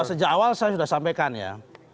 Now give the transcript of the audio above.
sejak awal saya sudah sampaikan ya